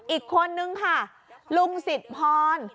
อีกคนนึงค่ะลุงสิทธพร